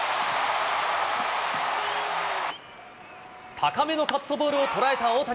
高めのカットボールを捉えた大谷。